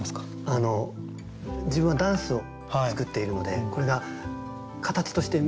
あの自分はダンスを作っているのでこれが形として見える。